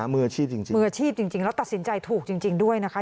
มืออาชีพจริงแล้วตัดสินใจถูกจริงด้วยนะคะ